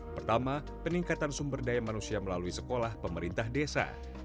pertama peningkatan sumber daya manusia melalui sekolah pemerintah desa